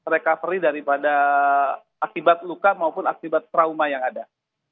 recovery daripada akibat luka maupun akibat trauma yang ada